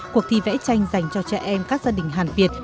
cuộc thi vẽ tranh dành cho trẻ em các gia đình hàn việt